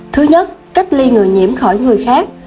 thứ nhất cách ly người nhiễm khỏi người khác